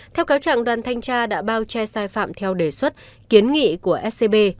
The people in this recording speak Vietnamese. theo cáo trạng đoàn thanh tra đã bao che sai phạm theo đề xuất kiến nghị của scb